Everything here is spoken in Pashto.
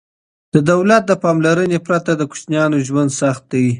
د دولت د پاملرنې پرته د کوچیانو ژوند سخت دی.